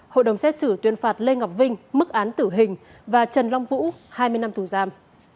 hội đồng xét xử tuyên phạt lê ngọc vinh mức án tử hình và trần long vũ hai mươi năm tù giam